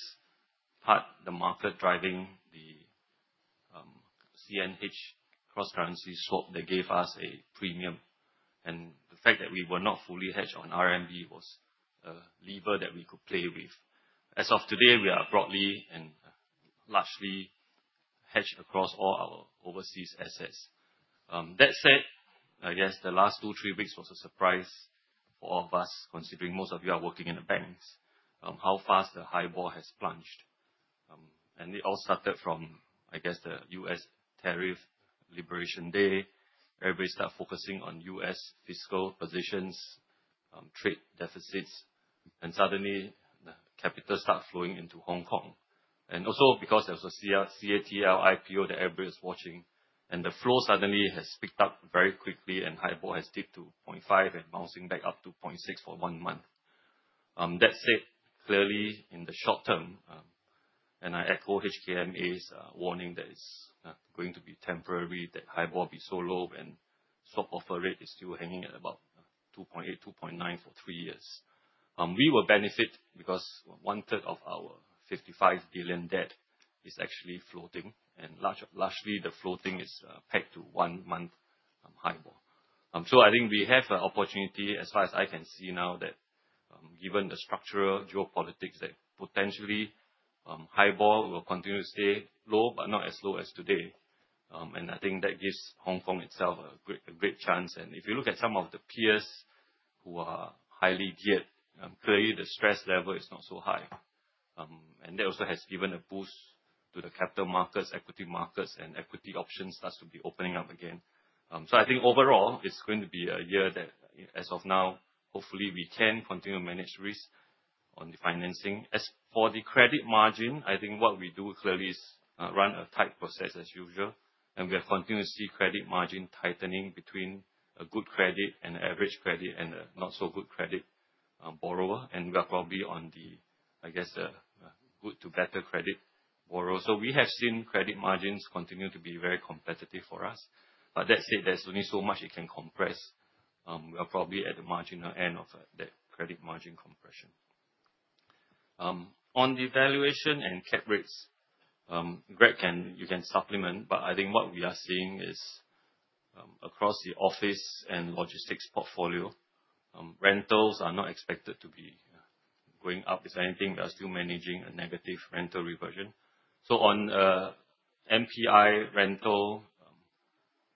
part the market driving the C&H cross-currency swap that gave us a premium. And the fact that we were not fully hedged on RMB was a lever that we could play with. As of today, we are broadly and largely hedged across all our overseas assets. That said, I guess the last two, three weeks was a surprise for all of us, considering most of you are working in the banks, how fast the highball has plunged. It all started from, I guess, the US tariff liberation day. Everybody started focusing on U.S. fiscal positions, trade deficits. Suddenly, the capital started flowing into Hong Kong. Also because there was a CATL IPO that everybody was watching. The flow suddenly has picked up very quickly and HIBOR has dipped to 0.5 and is bouncing back up to 0.6 for one month. That is it, clearly, in the short term. I echo HKMA's warning that it is going to be temporary, that HIBOR will be so low, and swap offer rate is still hanging at about 2.8, 2.9 for three years. We will benefit because one third of our 55 billion debt is actually floating. Largely, the floating is pegged to one-month HIBOR. I think we have an opportunity, as far as I can see now, that given the structural geopolitics, potentially HIBOR will continue to stay low, but not as low as today. I think that gives Hong Kong itself a great chance. If you look at some of the peers who are highly geared, clearly, the stress level is not so high. That also has given a boost to the capital markets, equity markets, and equity options start to be opening up again. I think overall, it's going to be a year that, as of now, hopefully, we can continue to manage risk on the financing. As for the credit margin, I think what we do clearly is run a tight process as usual. We have continued to see credit margin tightening between a good credit and an average credit and a not-so-good credit borrower. We are probably on the, I guess, good to better credit borrower. We have seen credit margins continue to be very competitive for us. That said, there's only so much it can compress. We are probably at the marginal end of that credit margin compression. On devaluation and cap rates, Greg, you can supplement. I think what we are seeing is across the office and logistics portfolio, rentals are not expected to be going up. If anything, we are still managing a negative rental reversion. On an NPI rental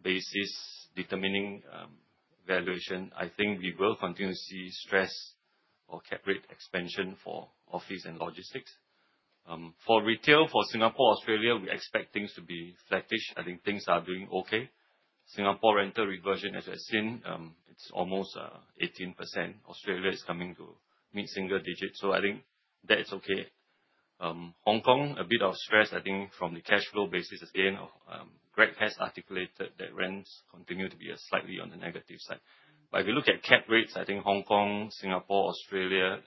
basis determining valuation, I think we will continue to see stress or cap rate expansion for office and logistics. For retail, for Singapore, Australia, we expect things to be flattish. I think things are doing okay. Singapore rental reversion, as we have seen, it's almost 18%. Australia is coming to mid-single digits. I think that's okay. Hong Kong, a bit of stress, I think, from the cash flow basis. Again, Greg has articulated that rents continue to be slightly on the negative side. If you look at cap rates, I think Hong Kong, Singapore, Australia,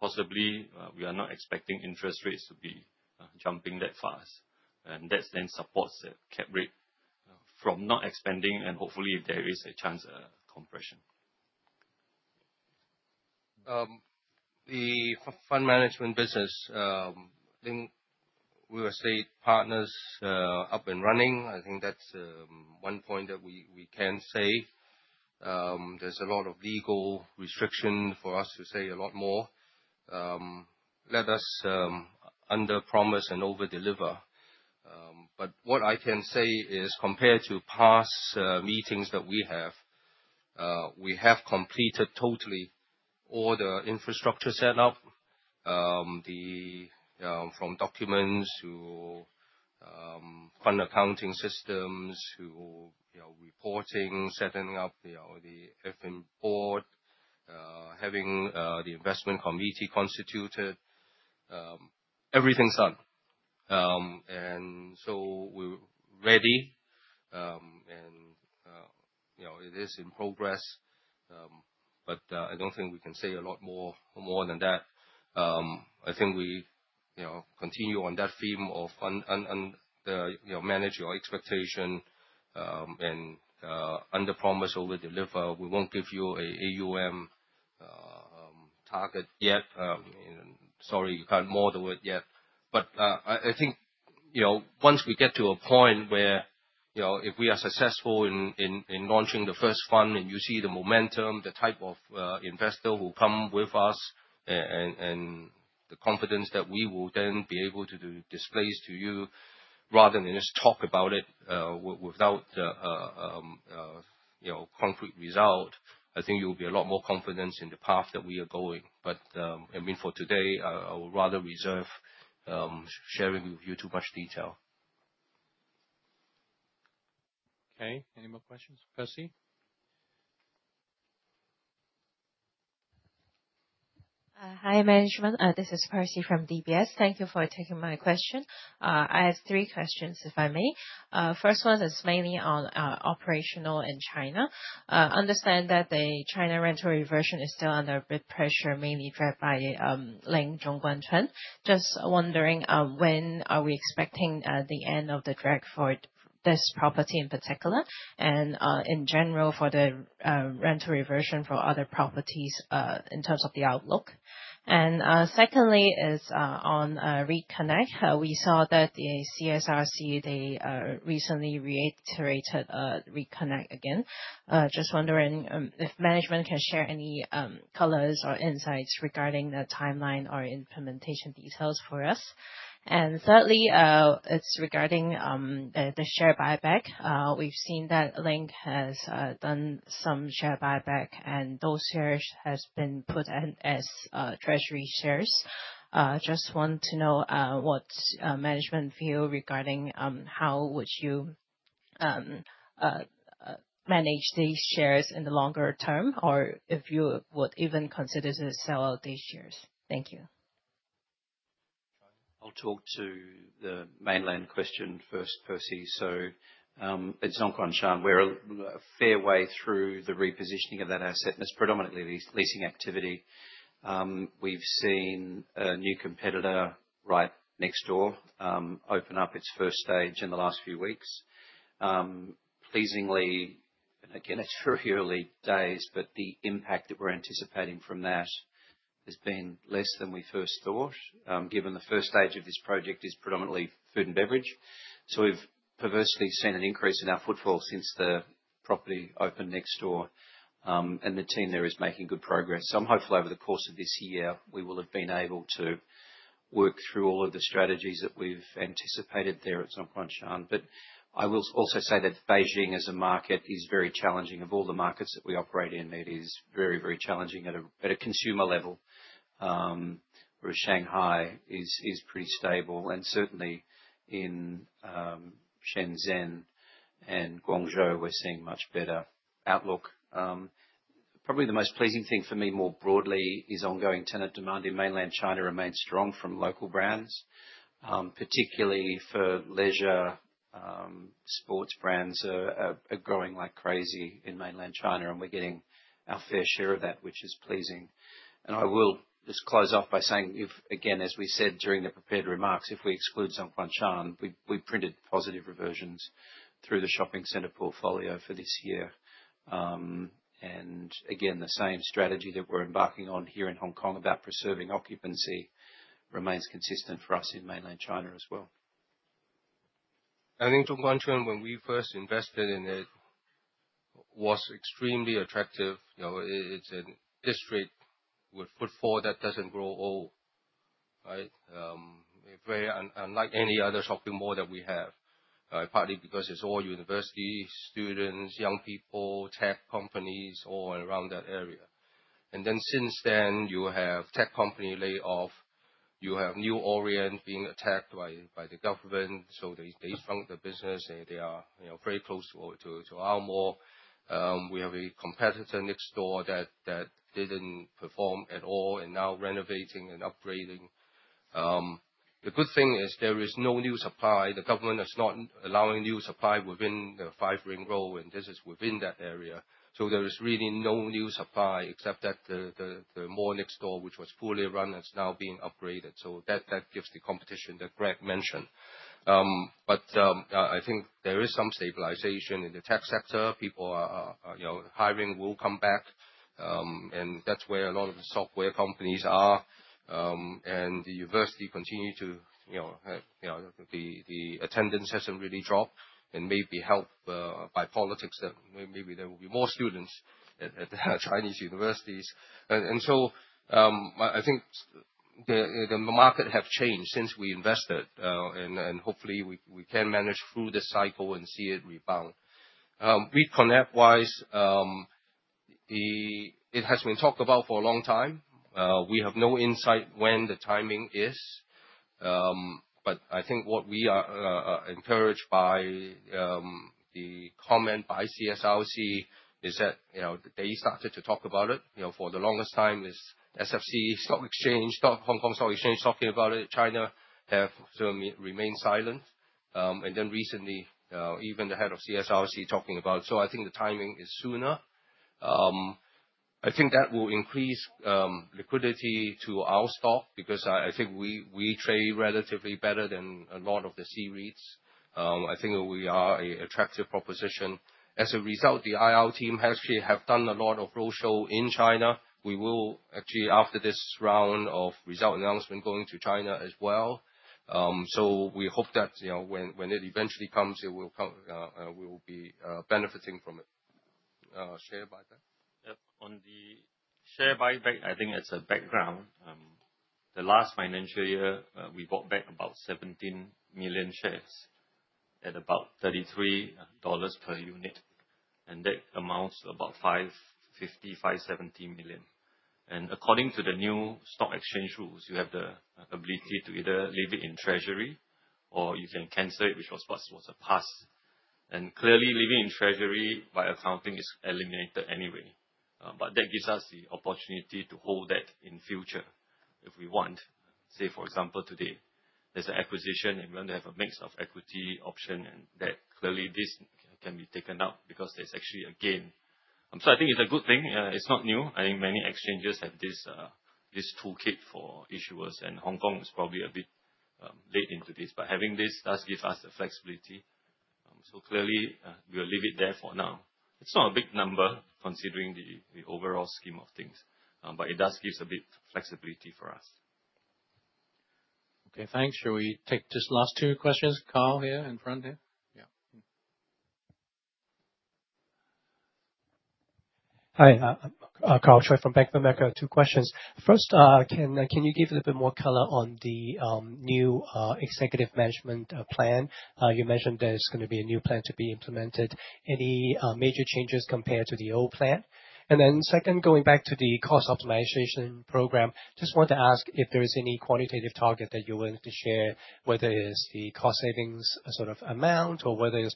possibly we are not expecting interest rates to be jumping that fast. That then supports the cap rate from not expanding and hopefully, if there is a chance, a compression. The fund management business, I think we will say partners up and running. I think that's one point that we can say. There's a lot of legal restriction for us to say a lot more. Let us underpromise and overdeliver. What I can say is compared to past meetings that we have, we have completed totally all the infrastructure setup, from documents to fund accounting systems to reporting, setting up the FM board, having the investment committee constituted. Everything's done. We are ready. It is in progress. I do not think we can say a lot more than that. I think we continue on that theme of manage your expectation and underpromise, overdeliver. We will not give you an AUM target yet. Sorry, you cannot model it yet. I think once we get to a point where if we are successful in launching the first fund and you see the momentum, the type of investor who come with us and the confidence that we will then be able to display to you rather than just talk about it without a concrete result, I think you'll be a lot more confident in the path that we are going. I mean, for today, I would rather reserve sharing with you too much detail. Okay. Any more questions? Percy? Hi, Management. This is Percy from DBS. Thank you for taking my question. I have three questions, if I may. First one is mainly on operational in China. Understand that the China rental reversion is still under a bit pressure, mainly driven by Leng Zhongguancun. Just wondering, when are we expecting the end of the drag for this property in particular? In general, for the rental reversion for other properties in terms of the outlook? Secondly, is on Reconnect. We saw that the CSRC, they recently reiterated Reconnect again. Just wondering if Management can share any colors or insights regarding the timeline or implementation details for us? Thirdly, it's regarding the share buyback. We've seen that Link has done some share buyback, and those shares have been put in as treasury shares. Just want to know what Management feel regarding how would you manage these shares in the longer term, or if you would even consider to sell out these shares? Thank you. I'll talk to the mainland question first, Percy. So it's Zhongguancun. We're a fair way through the repositioning of that asset, and it's predominantly leasing activity. We've seen a new competitor right next door open up its first stage in the last few weeks. Pleasingly, and again, it's very early days, but the impact that we're anticipating from that has been less than we first thought, given the first stage of this project is predominantly food and beverage. We've perversely seen an increase in our footfall since the property opened next door. The team there is making good progress. I'm hopeful over the course of this year, we will have been able to work through all of the strategies that we've anticipated there at Zhongguancun. I will also say that Beijing, as a market, is very challenging. Of all the markets that we operate in, it is very, very challenging at a consumer level. Shanghai is pretty stable. Certainly, in Shenzhen and Guangzhou, we are seeing much better outlook. Probably the most pleasing thing for me more broadly is ongoing tenant demand in mainland China remains strong from local brands, particularly for leisure sports brands are growing like crazy in mainland China. We are getting our fair share of that, which is pleasing. I will just close off by saying, again, as we said during the prepared remarks, if we exclude Zhongguancun, we printed positive reversions through the shopping center portfolio for this year. The same strategy that we are embarking on here in Hong Kong about preserving occupancy remains consistent for us in mainland China as well. I think Zhongguancun, when we first invested in it, was extremely attractive. It's a district with footfall that doesn't grow old, right? Very unlike any other shopping mall that we have, partly because it's all universities, students, young people, tech companies all around that area. Since then, you have tech company laid off. You have New Orient being attacked by the government. They shrunk the business. They are very close to our mall. We have a competitor next door that didn't perform at all and now renovating and upgrading. The good thing is there is no new supply. The government is not allowing new supply within the five-ring road, and this is within that area. There is really no new supply except that the mall next door, which was fully run, is now being upgraded. That gives the competition that Greg mentioned. I think there is some stabilization in the tech sector. People are hiring will come back. That is where a lot of the software companies are. The university continued to, the attendance has not really dropped. Maybe helped by politics that maybe there will be more students at Chinese universities. I think the market has changed since we invested. Hopefully, we can manage through this cycle and see it rebound. Reconnect-wise, it has been talked about for a long time. We have no insight when the timing is. I think what we are encouraged by, the comment by CSRC is that they started to talk about it for the longest time. It is SFC, Stock Exchange, Hong Kong Stock Exchange talking about it. China has remained silent. Then recently, even the head of CSRC talking about it. I think the timing is sooner. I think that will increase liquidity to our stock because I think we trade relatively better than a lot of the C-REITs. I think we are an attractive proposition. As a result, the IR team has actually done a lot of roadshow in China. We will actually, after this round of result announcement, go into China as well. We hope that when it eventually comes, we will be benefiting from it. Share buyback? Yep. On the share buyback, I think as a background, the last financial year, we bought back about 17 million shares at about $33 per unit. That amounts to about $550 million-$570 million. According to the new stock exchange rules, you have the ability to either leave it in treasury or you can cancel it, which was what was a past. Clearly, leaving it in treasury by accounting is eliminated anyway. That gives us the opportunity to hold that in future if we want. Say, for example, today, there is an acquisition and we want to have a mix of equity option. That clearly can be taken out because there is actually a gain. I think it is a good thing. It is not new. I think many exchanges have this toolkit for issuers. Hong Kong is probably a bit late into this. Having this does give us the flexibility. Clearly, we'll leave it there for now. It's not a big number considering the overall scheme of things. It does give a bit of flexibility for us. Okay. Thanks. Shall we take just last two questions? Carl here in front here. Yeah. Hi. Karl Choi from Bank of America. Two questions. First, can you give a little bit more color on the new executive management plan? You mentioned there's going to be a new plan to be implemented. Any major changes compared to the old plan? Second, going back to the cost optimization program, just want to ask if there is any quantitative target that you would like to share, whether it's the cost savings sort of amount or whether it's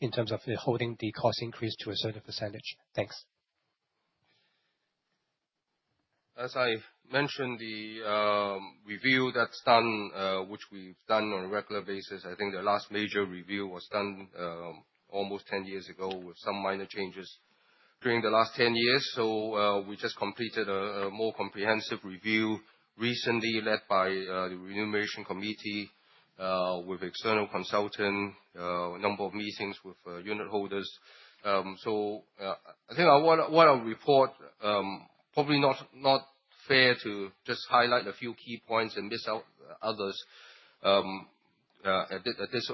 in terms of holding the cost increase to a certain %. Thanks. As I mentioned, the review that's done, which we've done on a regular basis, I think the last major review was done almost 10 years ago with some minor changes during the last 10 years. We just completed a more comprehensive review recently led by the remuneration committee with external consultants, a number of meetings with unit holders. I think I want to report probably not fair to just highlight a few key points and miss out others at this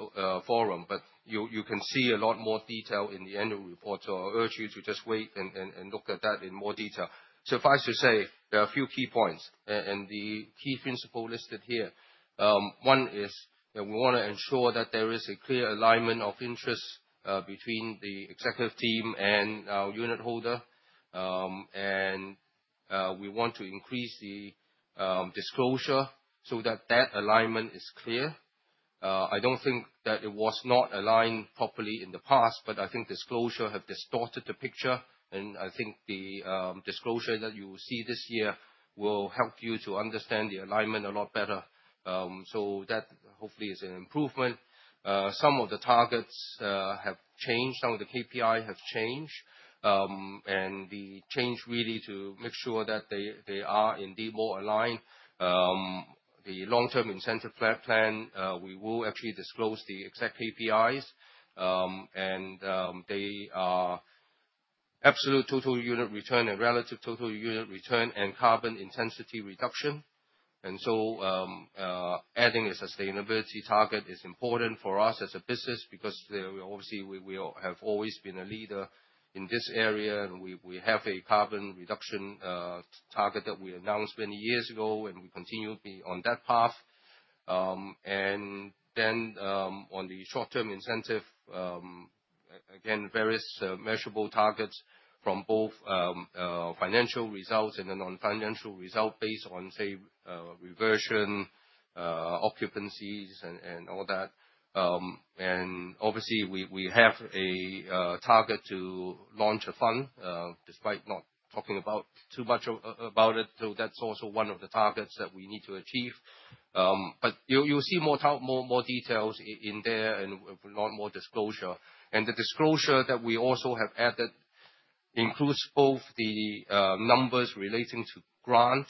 forum. You can see a lot more detail in the annual report. I urge you to just wait and look at that in more detail. Suffice to say, there are a few key points and the key principle listed here. One is that we want to ensure that there is a clear alignment of interests between the executive team and our unit holder. We want to increase the disclosure so that that alignment is clear. I do not think that it was not aligned properly in the past, but I think disclosure has distorted the picture. I think the disclosure that you will see this year will help you to understand the alignment a lot better. That hopefully is an improvement. Some of the targets have changed. Some of the KPIs have changed. The change is really to make sure that they are indeed more aligned. The long-term incentive plan, we will actually disclose the exact KPIs. They are absolute total unit return and relative total unit return and carbon intensity reduction. Adding a sustainability target is important for us as a business because obviously, we have always been a leader in this area. We have a carbon reduction target that we announced many years ago. We continue to be on that path. On the short-term incentive, again, various measurable targets from both financial results and the non-financial result based on, say, reversion occupancies and all that. Obviously, we have a target to launch a fund despite not talking too much about it. That is also one of the targets that we need to achieve. You will see more details in there and a lot more disclosure. The disclosure that we also have added includes both the numbers relating to grant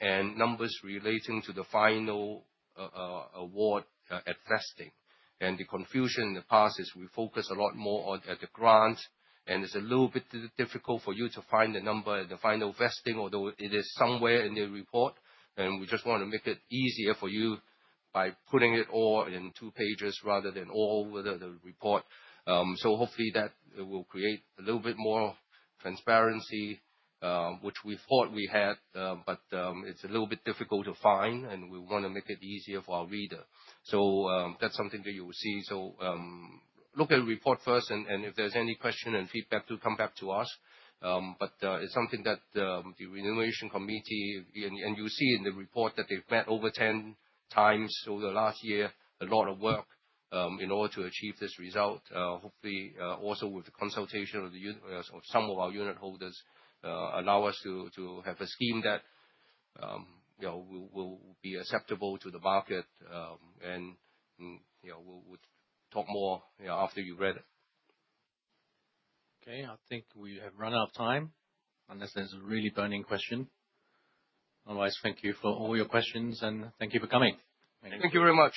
and numbers relating to the final award at vesting. The confusion in the past is we focus a lot more on the grant. It is a little bit difficult for you to find the number at the final vesting, although it is somewhere in the report. We just want to make it easier for you by putting it all in two pages rather than all over the report. Hopefully, that will create a little bit more transparency, which we thought we had. It is a little bit difficult to find. We want to make it easier for our reader. That is something that you will see. Look at the report first. If there is any question and feedback, do come back to us. It is something that the remuneration committee—and you will see in the report that they have met over 10 times over the last year—a lot of work in order to achieve this result. Hopefully, also with the consultation of some of our unit holders, it will allow us to have a scheme that will be acceptable to the market. We will talk more after you have read it. Okay. I think we have run out of time. Unless there's a really burning question. Otherwise, thank you for all your questions. Thank you for coming. Thank you very much.